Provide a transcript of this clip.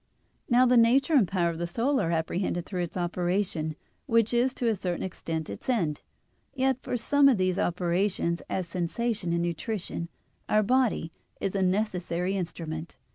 Now the nature and power of the soul are apprehended through its operation, which is to a certain extent its end. Yet for some of these operations, as sensation and nutrition, our body is a necessary instrument.